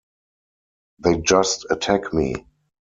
They just attack me.